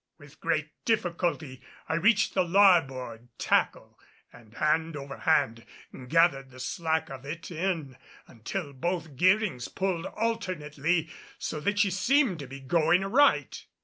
With great difficulty I reached the larboard tackle and hand over hand gathered the slack of it in until both gearings pulled alternately so that she seemed to be going aright.